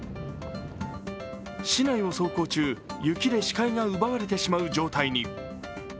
市内を走行中、雪で視界が奪われてしまう状態に。